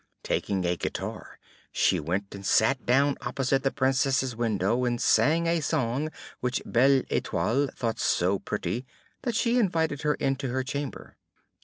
Taking a guitar, she went and sat down opposite the Princess's window, and sang a song which Belle Etoile thought so pretty that she invited her into her chamber.